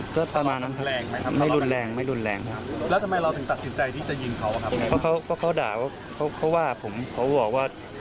เพราะเขาด่าเพราะว่าผมเขาบอกว่า